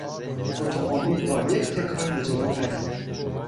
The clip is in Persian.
اتومبیل با یک تکان به جلو پرید.